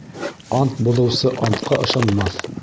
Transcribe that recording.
Ант боҙоусы антҡа ышанмаҫ.